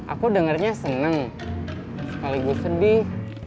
aku dengernya seneng sekaligus sedih